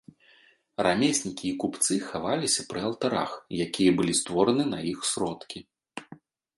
Рамеснікі і купцы хаваліся пры алтарах, якія былі створаны на іх сродкі.